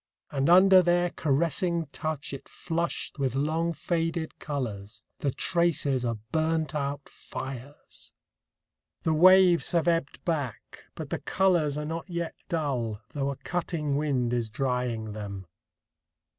. and under their caressing touch it flushed with long faded colours, the traces of burnt out fires ! The waves have ebbed back ... but the colours are not yet dull, though a cutting wind is drying them.